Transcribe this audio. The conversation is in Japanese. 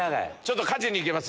勝ちに行きます